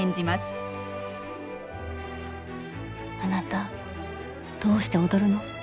あなたどうして踊るの？